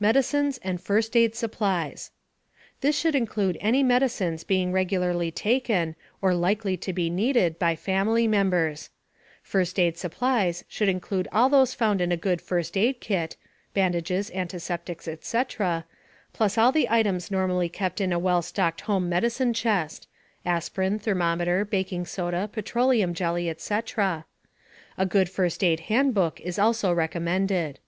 MEDICINES AND FIRST AID SUPPLIES. This should include any medicines being regularly taken, or likely to be needed, by family members. First aid supplies should include all those found in a good first aid kit (bandages, antiseptics, etc.), plus all the items normally kept in a well stocked home medicine chest (aspirin, thermometer, baking soda, petroleum jelly, etc.). A good first aid handbook is also recommended.